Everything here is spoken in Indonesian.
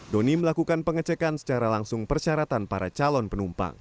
doni melakukan pengecekan secara langsung persyaratan para calon penumpang